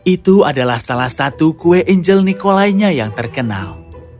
itu adalah salah satu kue angel nikolainya yang terkenal